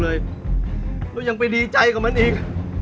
เรายังไปดีใจกับมันอีก